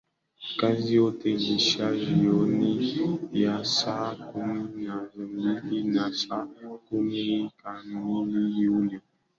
Kazi yote iliisha jioni ya saa kumi na mbili Na saa kumi kamili yule